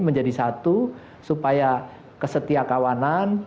menjadi satu supaya kesetia kawanan